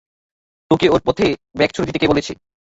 তোকে ওর পথে ব্যাগ ছুড়ে দিতে কে বলেছে?